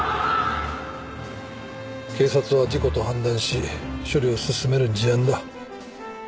警察は事故と判断し処理を進める事案だ。